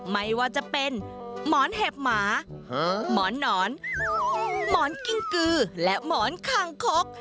ไม่ว่าจะเป็นหมอนเห็บหมาหมอนหนอนหมอนกิ้งกือและหมอนคางคก